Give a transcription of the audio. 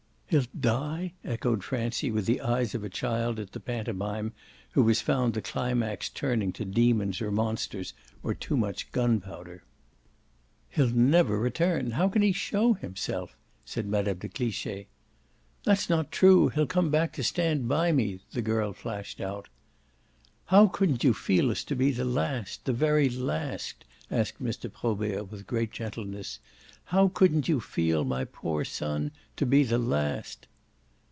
"He'll die?" echoed Francie with the eyes of a child at the pantomime who has found the climax turning to demons or monsters or too much gunpowder. "He'll never return how can he show himself?" said Mme. de Cliche. "That's not true he'll come back to stand by me!" the girl flashed out. "How couldn't you feel us to be the last the very last?" asked Mr. Probert with great gentleness. "How couldn't you feel my poor son to be the last